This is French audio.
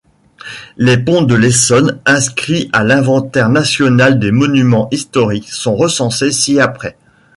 Les ponts de l’Essonne inscrits à l’inventaire national des monuments historiques sont recensés ci-après.